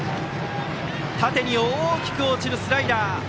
縦に大きく落ちるスライダー。